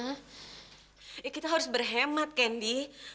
eh kita harus berhemat kendi